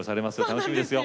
楽しみですよ。